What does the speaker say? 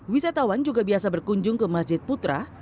wisatawan juga biasa berkunjung ke masjid putra